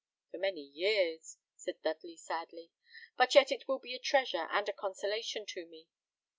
"For many years," said Dudley, sadly; "but yet it will be a treasure and a consolation to me.